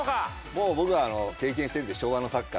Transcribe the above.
もう僕は経験してるんで昭和のサッカー。